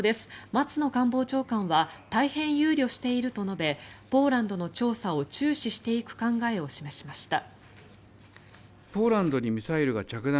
松野官房長官は大変憂慮していると述べポーランドの調査を注視していく考えを示しました。